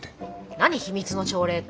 何秘密の朝礼って。